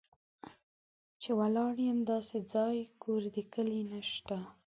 چې ولاړ یم داسې ځای، کور د کلي نه شته